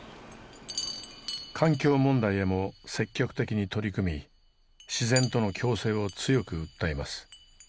環境問題へも積極的に取り組み自然との共生を強く訴えます。